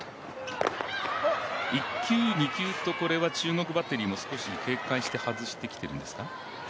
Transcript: １球、２球と中国バッテリーも警戒して外してきているんですか？